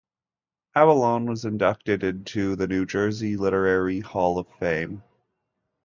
Avallone was inducted into the "New Jersey Literary Hall of Fame".